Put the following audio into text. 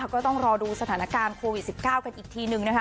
ก็ต้องรอดูสถานการณ์โควิด๑๙กันอีกทีนึงนะคะ